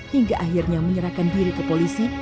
hingga akhirnya menyerahkan diri ke polisi